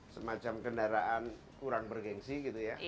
semacam kendaraan kurang bergensi gitu ya